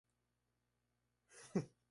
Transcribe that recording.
Mención, poesía juvenil.